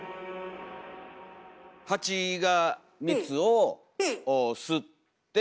ハチが蜜を吸って。